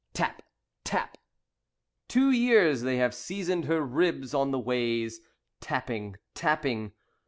Tap! Tap! Two years they have seasoned her ribs on the ways, Tapping, tapping.